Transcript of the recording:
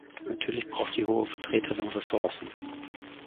Natürlich braucht die Hohe Vertreterin Ressourcen.